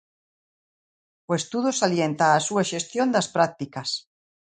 O estudo salienta a súa xestión das prácticas.